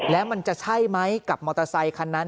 แล้วมันจะใช่ไหมกับมอเตอร์ไซคันนั้น